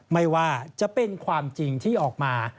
ไม่ว่าจะเป็นความจริงที่ออกมา